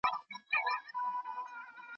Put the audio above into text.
نه به زه یم نه به ته نه دا وطن وي ,